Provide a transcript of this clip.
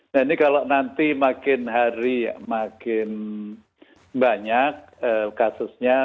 nah ini kalau nanti makin hari makin banyak kasusnya